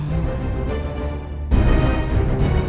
rupanya rosa lagi datang